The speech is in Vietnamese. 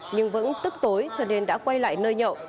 nhưng vẫn tức tối cho nên đã quay lại nơi nhậu